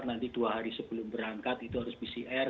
nanti dua hari sebelum berangkat itu harus pcr